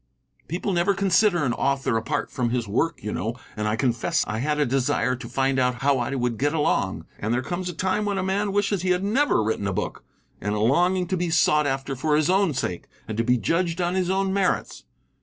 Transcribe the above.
"People never consider an author apart from his work, you know, and I confess I had a desire to find out how I would get along. And there comes a time when a man wishes he had never written a book, and a longing to be sought after for his own sake and to be judged on his own merits.